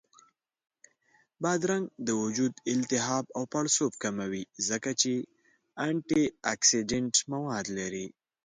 بادرنګ د وجود التهاب او پړسوب کموي، ځکه چې انټياکسیدنټ مواد لري